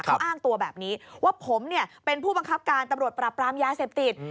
เขาอ้างตัวแบบนี้ว่าผมเนี่ยเป็นผู้บังคับการตำรวจปราบปรามยาเสพติด